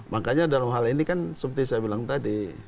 makanya dalam hal ini kan seperti saya bilang tadi